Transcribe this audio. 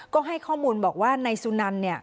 ก็ให้ข้อมูลบอกว่านายสุนันเนี่ย